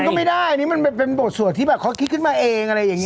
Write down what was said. มันก็ไม่ได้นี่มันเป็นบทสวดที่เขาคิดขึ้นมาเองอะไรแบบนี้